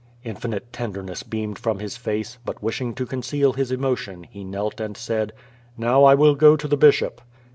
Infinite tenderness beamed from his face, but, wishing to conceal his emotion, he knelt and said: "Now I will go to the bishop."